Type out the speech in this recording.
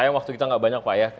sayang waktu kita gak banyak pak ya